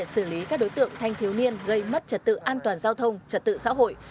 xử lý các đối tượng thanh thiếu niên gây mất trật tự an toàn giao thông trật tự xã hội